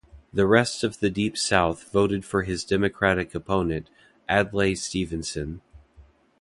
The rest of the Deep South voted for his Democratic opponent, Adlai Stevenson.